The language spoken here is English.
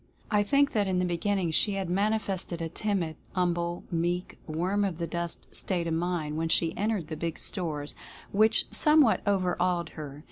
I think that in the beginning she had manifested a timid, "hum ble," meek, "worm of the dust" state of mind when she entered the big stores, which somewhat over awed her.